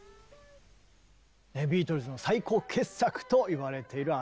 ビートルズの最高傑作といわれているアルバムですね。